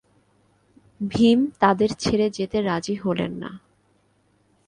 ভীম তাদের ছেড়ে যেতে রাজি হলেন না।